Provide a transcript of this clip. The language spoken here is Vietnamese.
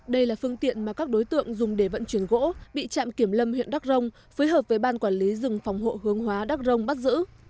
đây là phương tiện mà các đối tượng dùng để vận chuyển gỗ bị trạm kiểm lâm huyện đắc rông phối hợp với ban quản lý rừng phòng hộ hướng hóa đắc rông bắt giữ